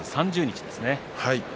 ９月３０日ですね。